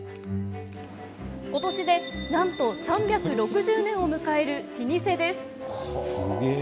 今年で、なんと３６０年を迎える老舗です。